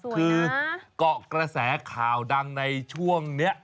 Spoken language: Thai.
คือเกาะกระแสข่าวดังในช่วงนี้